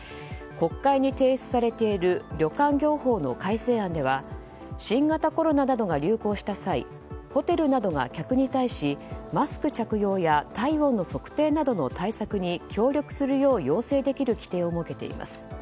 国会に提出されている旅館業法の改正案では新型コロナなどが流行した際ホテルなどが客に対しマスク着用や体温の測定などの協力するよう要請できる規定を設けています。